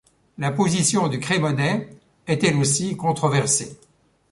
La position du crémonais est elle aussi controversée.